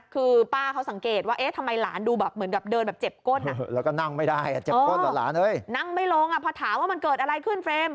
คือป้าเขาสังเกตว่าเอ๊ะทำไมหลานดูเหมือนเดินเหมือนเจ็บก้น